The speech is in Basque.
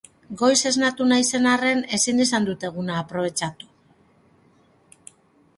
Goiz esnatu naizen arren, ezin izan dut eguna aprobetxatu.